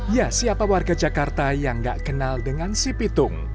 ya siapa warga jakarta yang gak kenal dengan si pitung